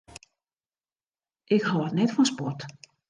Ik hâld net fan sport.